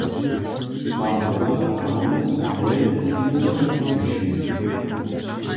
Mam dobre plany a wjele cilow za Budyšin.